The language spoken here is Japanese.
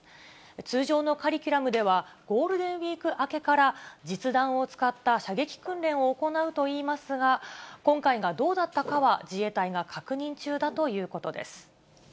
通常のカリキュラムでは、ゴールデンウィーク明けから実弾を使った射撃訓練を行うといいますが、今回がどうだったかは、自衛隊が確認中だということです。